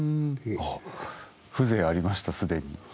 風情ありました既に。